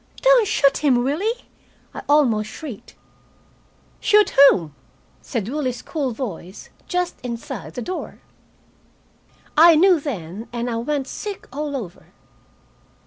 "Don't shoot him, Willie!" I almost shrieked. "Shoot whom?" said Willie's cool voice, just inside the door. I knew then, and I went sick all over.